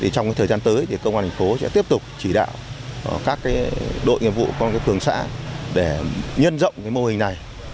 trong thời gian tới công an tp sẽ tiếp tục chỉ đạo các đội nghiệp vụ các phường xã để nhân rộng mô hình này